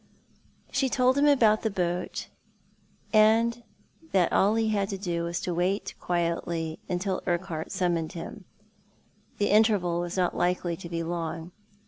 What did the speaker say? She told him about the boat, and that all he had to do was to wait quietly till Urquhart summoned him. The interval was not likely to be long.